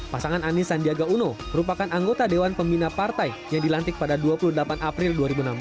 pasangan anies sandiaga uno merupakan anggota dewan pembina partai yang dilantik pada dua puluh delapan april dua ribu enam belas